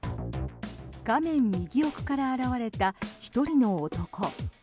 画面右奥から現れた１人の男。